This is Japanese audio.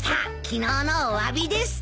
昨日のおわびです。